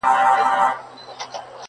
شرنګ د زولنو به دي غوږو ته رسېدلی وي،